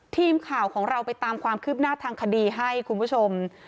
ทีมข่าวของเราไปตามความคืบหน้าทางคดีให้คุณผู้ชม